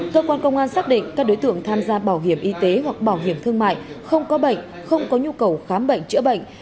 cơ quan công an xác định các đối tượng tham gia bảo hiểm y tế hoặc bảo hiểm thương mại không có bệnh không có nhu cầu khám bệnh chữa bệnh